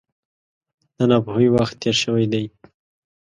د ناپوهۍ وخت تېر شوی دی.